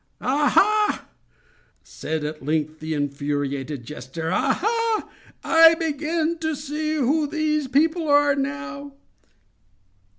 "Ah, ha!" said at length the infuriated jester. "Ah, ha! I begin to see who these people are now!"